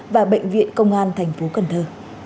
và bệnh viện công an thành phố cần thơ